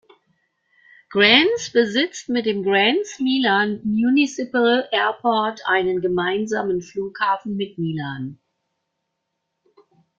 Grants besitzt mit dem Grants-Milan Municipal Airport einen gemeinsamen Flughafen mit Milan.